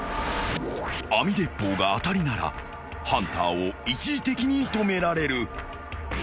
［網鉄砲が当たりならハンターを一時的に止められる］